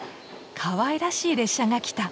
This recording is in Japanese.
かわいらしい列車が来た。